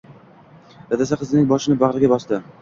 Dadasi qizining boshini bag`riga bosdi